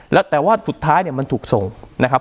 แล้วแต่ว่าสุดท้ายเนี่ยมันถูกส่งนะครับ